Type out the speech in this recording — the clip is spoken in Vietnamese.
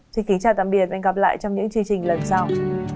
xin kính chào tạm biệt và hẹn gặp lại trong những chương trình lần sau